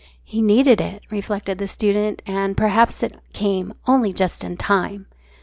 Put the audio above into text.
"He needed it," reflected the student, "and perhaps it came only just in time!"